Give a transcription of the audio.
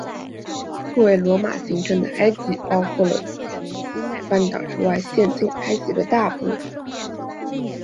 作为罗马行省的埃及包括了除西奈半岛之外现今埃及的大部。